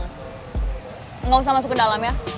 tidak usah masuk ke dalam ya